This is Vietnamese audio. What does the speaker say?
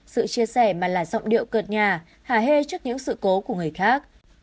sự chia sẻ mà là giọng điệu cợt nhà hà hê trước những sự cố của người khác